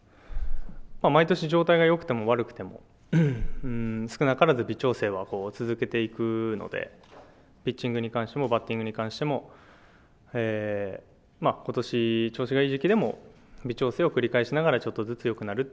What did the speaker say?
毎年状態がよくても悪くても、少なからず微調整は続けていくのでピッチングに関しても、バッティングに関しても、ことし、調子がいい時期でも、微調整を繰り返しながらちょっとずつよくなると